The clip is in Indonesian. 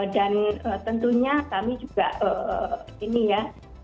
dan tentunya kami juga ini ya